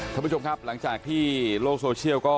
ท่านผู้ชมครับหลังจากที่โลกโซเชียลก็